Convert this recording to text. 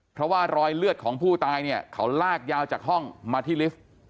เพราะว่ารอยเลือดของผู้ตายเนี่ยเขาลากยาวจากห้องมาที่ลิฟท์